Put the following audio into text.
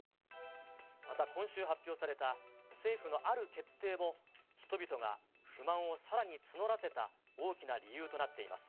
また、今週発表された政府のある決定も、人々が不満をさらに募らせた大きな理由となっています。